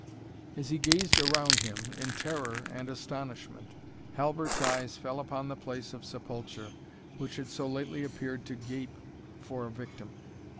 As he gazed round him in terror and astonishment, Halbert's eyes fell upon the place of sepulture which had so lately appeared to gape for a victim.